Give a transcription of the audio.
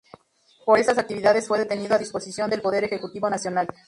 Por esas actividades fue detenido a disposición del Poder Ejecutivo Nacional.